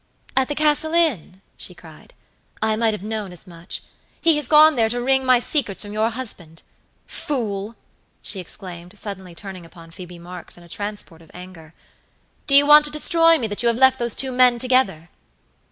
"At the Castle Inn?" she cried. "I might have known as much. He has gone there to wring my secrets from your husband. Fool!" she exclaimed, suddenly turning upon Phoebe Marks in a transport of anger, "do you want to destroy me that you have left those two men together?"